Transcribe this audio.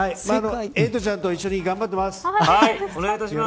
エイトちゃんと一緒に頑張っています。